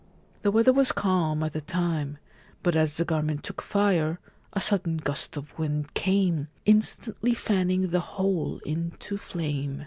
The weather was calm at the time ; but as the garment took fire a sudden gust of wind came, instantly fanning the whole into flame.